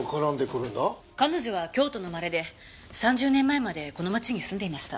彼女は京都の生まれで３０年前までこの町に住んでいました。